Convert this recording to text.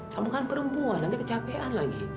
kamu kan perempuan nanti kecapean lagi